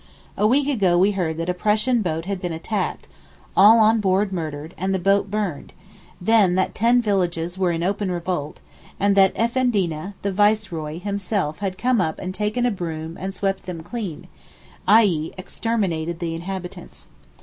A week ago we heard that a Prussian boat had been attacked, all on board murdered, and the boat burned; then that ten villages were in open revolt, and that Effendina (the Viceroy) himself had come up and 'taken a broom and swept them clean' i.e.—exterminated the inhabitants.